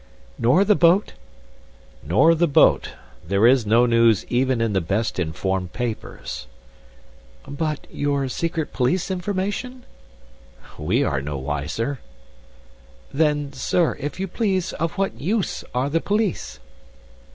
"Nor the boat?" "Nor the boat. There is no news even in the best informed papers." "But—your secret police information?" "We are no wiser." "Then, sir, if you please, of what use are the police?"